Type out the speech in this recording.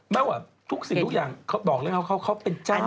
แม้ว่าทุกสิ่งทุกอย่างเขาบอกแล้วเขาเป็นเจ้าของแฟนชัดโลก